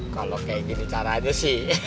kalo kayak gini caranya sih